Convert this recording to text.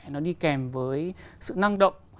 nó đi kèm với sự năng động